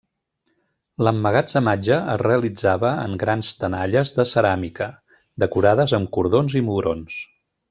L'emmagatzematge es realitzava en grans tenalles de ceràmica, decorades amb cordons i mugrons.